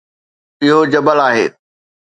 اهو جبل آهي